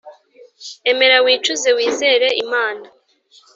emera wicuze wizere imana